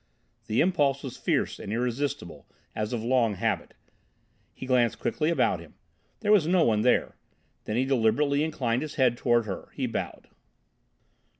The impulse was fierce and irresistible, as of long habit. He glanced quickly about him. There was no one there. Then he deliberately inclined his head toward her. He bowed.